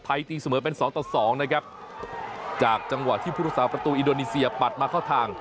ตีเสมอเป็นสองต่อสองนะครับจากจังหวะที่พุทธศาสประตูอินโดนีเซียปัดมาเข้าทาง